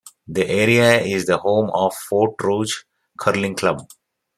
The area is the home of the Fort Rouge Curling Club.